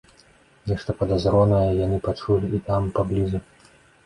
Нешта падазронае яны пачулі і там, паблізу.